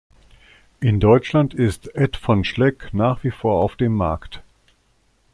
In Deutschland ist "Ed von Schleck" nach wie vor auf dem Markt.